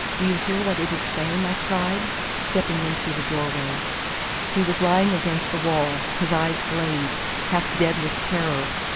do you hear what it is saying?" I cried, stepping in through the door way. He was lying against the wall, his eyes glazed, half dead with terror.